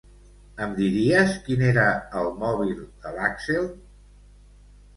Em diries quin era el mòbil de l'Àxel?